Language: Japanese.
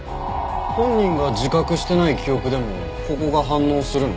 本人が自覚してない記憶でもここが反応するの？